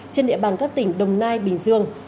trên địa bàn các tỉnh đồng nai bình dương